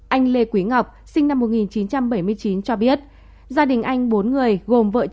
anh lê quý ngọc sinh năm một nghìn chín trăm bảy mươi chín cho biết gia đình anh bốn người gồm vợ chồng